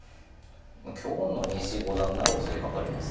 今日の西五段なら襲いかかります。